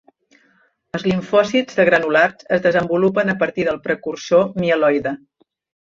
Els limfòcits de granulats es desenvolupen a partir del precursor mieloide.